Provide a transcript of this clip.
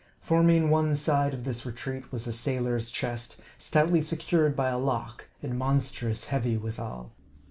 Forming one side of this retreat, was a sailor's chest, stoutly secured by a lock, and monstrous heavy withal.